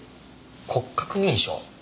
骨格認証？